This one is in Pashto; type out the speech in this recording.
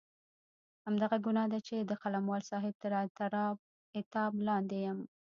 همدغه ګناه ده چې د قلموال صاحب تر عتاب لاندې یم.